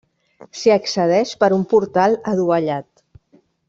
S'hi accedeix per un portal adovellat.